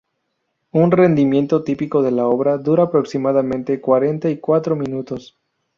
Un rendimiento típico de la obra dura aproximadamente cuarenta y cuatro minutos.